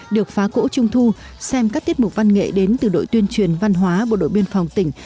được phá cỗ trung thu xem các tiết mục văn nghệ đến từ đội tuyên truyền văn hóa bộ đội biên phòng tỉnh